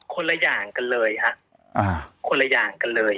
คนละอย่างกันเลยฮะคนละอย่างกันเลย